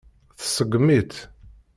Tseggem-itt.